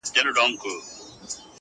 هغه بل موږك را ودانگل ميدان ته!!